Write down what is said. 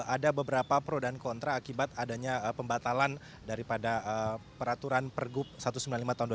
ada beberapa pro dan kontra akibat adanya pembatalan daripada peraturan pergub satu ratus sembilan puluh lima tahun dua ribu